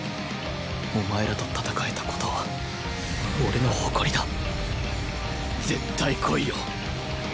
お前らと戦えた事は俺の誇りだ絶対来いよ。